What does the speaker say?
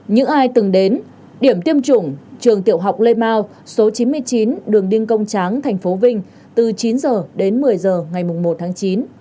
những ai từng đến điểm tiêm chủng trường tiểu học lê mau số chín mươi chín đường đinh công tráng tp vinh từ chín h đến một mươi h ngày một tháng chín